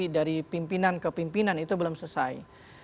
dari pimpinan ke pimpinan itu belum selesai